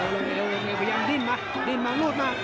พยายามดิ้นมาดิ้นมาลูดมา